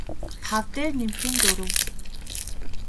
тав дээр нэмэх нь дөрөв